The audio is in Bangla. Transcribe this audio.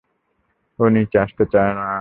ও নিচে আসতে চায় না।